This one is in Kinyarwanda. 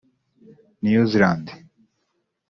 New Zealand